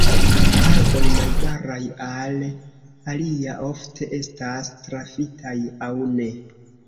Arboj najbaraj al alia ofte estas trafitaj aŭ ne.